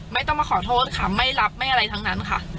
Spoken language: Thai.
ไม่ต้องมาขอโทษค่ะไม่รับไม่อะไรทั้งนั้นค่ะ